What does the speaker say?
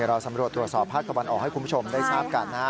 เราสำรวจตรวจสอบภาคตะวันออกให้คุณผู้ชมได้ทราบกันนะฮะ